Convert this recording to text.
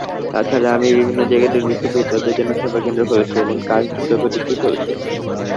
তা ছাড়া আমরা বিভিন্ন জায়গায় দুর্ভিক্ষ-পীড়িতদের জন্য সেবাকেন্দ্র খুলেছি, এবং কাজ দ্রুতগতিতে চলছে।